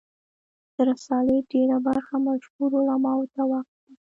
د رسالې ډېره برخه مشهورو علماوو ته وقف ده.